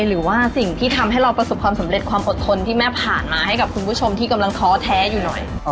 หรือว่าสิ่งที่ทำให้เราประสบความสำเร็จความอดทนที่แม่ผ่านมาให้กับคุณผู้ชมที่กำลังท้อแท้อยู่หน่อย